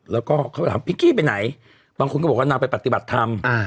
แล้วก็เขาถามพิกกี้ไปไหนบางคนก็บอกว่านางไปปฏิบัติธรรม